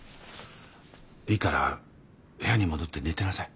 いいから部屋に戻って寝てなさい。